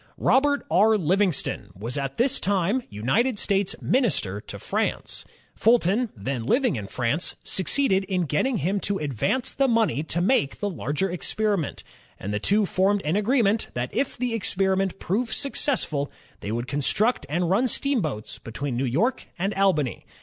Robert R. Livingston was at this time United States minister to France. Fulton, then living in France, suc ceeded in getting him to advance the money to make the larger experiment, and the two formed an agreement that if the experiment proved successful, they would construct and run steamboats between New York and Albany.